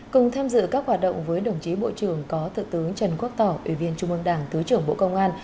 cùng tham dự các hoạt động với đồng chí bộ trưởng có thượng tướng trần quốc tỏ ủy viên trung ương đảng thứ trưởng bộ công an